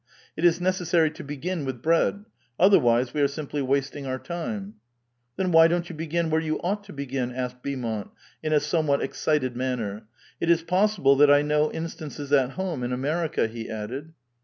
It is necessary to begin with bread ; otherwise, we are simply wasting our time." *' Then why don't you begin where you ought to begin?" 9sked Beaumont, in a somewhat excited manner. " It is possible that I know instances at home in America," he added.